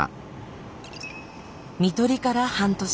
看取りから半年。